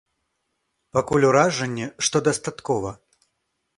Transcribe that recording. Пакуль ўражанне, што дастаткова.